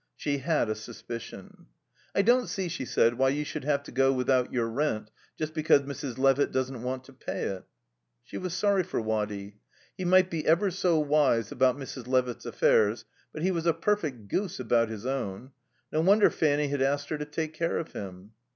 She had a suspicion. "I don't see," she said, "why you should have to go without your rent just because Mrs. Levitt doesn't want to pay it." She was sorry for Waddy. He might be ever so wise about Mrs. Levitt's affairs; but he was a perfect goose about his own. No wonder Fanny had asked her to take care of him.